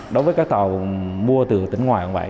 đối với các tàu mua từ tỉnh ngoài cũng vậy